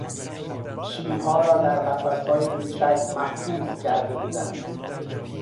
شیرها را در قفسهای کوچک محبوس کرده بودند.